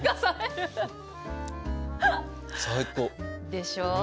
でしょう？